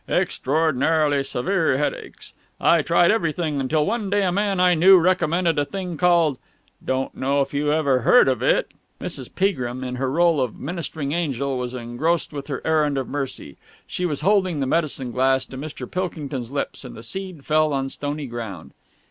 Extraordinarily severe headaches. I tried everything, until one day a man I knew recommended a thing called don't know if you have ever heard of it...." Mrs. Peagrim, in her rôle of ministering angel, was engrossed with her errand of mercy. She was holding the medicine glass to Mr. Pilkington's lips, and the seed fell on stony ground.